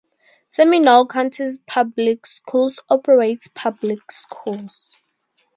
Seminole County Public Schools operates public schools.